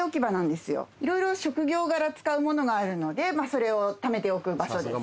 いろいろ職業柄使うものがあるのでまあそれを溜めておく場所です。